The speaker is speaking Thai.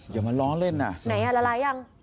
อย่ามาล้อเล่นอ่ะไหนอ่ะละลายยัง